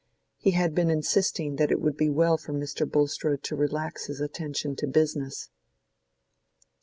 He had been insisting that it would be well for Mr. Bulstrode to relax his attention to business.